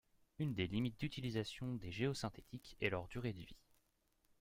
Une des limites d’utilisation des géosynthétiques est leur durée de vie.